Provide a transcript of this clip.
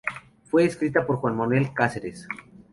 Fue escrita por Juan Manuel Cáceres.